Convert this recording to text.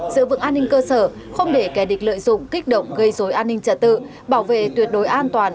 giữ vững an ninh cơ sở không để kẻ địch lợi dụng kích động gây dối an ninh trả tự bảo vệ tuyệt đối an toàn